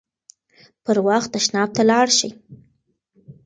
پر وخت تشناب ته لاړ شئ.